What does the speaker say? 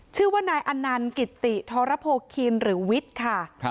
ชื่อว่านายอนันต์กิติธรโภคินหรือวิทย์ค่ะ